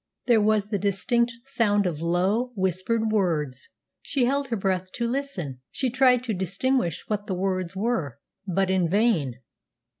There was the distinct sound of low, whispered words! She held her breath to listen. She tried to distinguish what the words were, but in vain.